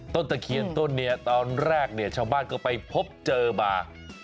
ตะเคียนต้นนี้ตอนแรกเนี่ยชาวบ้านก็ไปพบเจอมา